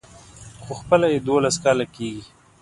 خو خپله يې دولس کاله کېږي.